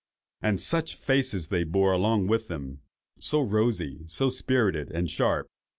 And such faces as they bore along with them!—so rosy, so spirited, and sharp!